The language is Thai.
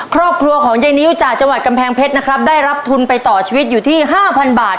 ครอบครัวของยายนิ้วจากจังหวัดกำแพงเพชรนะครับได้รับทุนไปต่อชีวิตอยู่ที่๕๐๐บาท